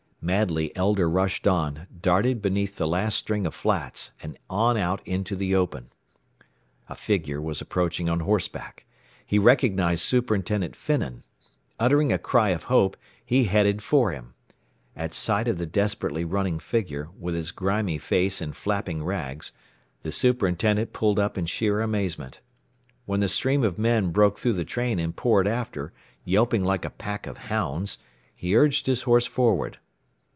Madly Elder rushed on, darted beneath the last string of flats, and on out into the open. A figure was approaching on horseback. He recognized Superintendent Finnan. Uttering a cry of hope, he headed for him. At sight of the desperately running figure, with its grimy face and flapping rags, the superintendent pulled up in sheer amazement. When the stream of men broke through the train and poured after, yelping like a pack of hounds, he urged his horse forward.